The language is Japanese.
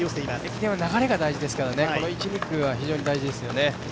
駅伝は流れが大事ですから１・２区は大事ですよね。